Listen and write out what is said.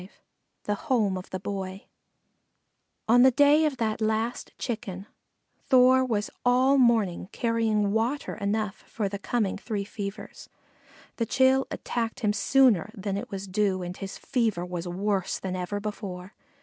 V THE HOME OF THE BOY On the day of that last Chicken, Thor was all morning carrying water enough for the coming three fevers. The chill attacked him sooner than it was due and his fever was worse than ever before.